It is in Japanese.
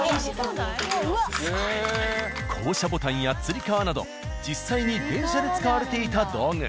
降車ボタンや吊り革など実際に電車で使われていた道具。